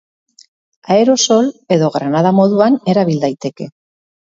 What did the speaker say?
Aerosol edo granada moduan erabil daiteke.